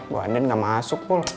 bu andin ga masuk bol